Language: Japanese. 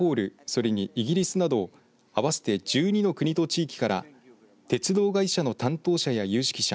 それにイギリスなど合わせて１２の国と地域から鉄道会社の担当者や有識者